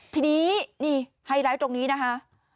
ทีนี้นี่ไฮไลท์ตรงนี้นะคะ